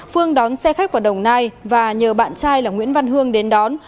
phương đón xe khách vào đồng nai và nhờ bạn trai là nguyễn văn hương đến đón